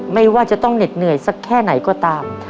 ไม่ว่าจะต้องเหน็ดเหนื่อยสักแค่ไหนก็ตาม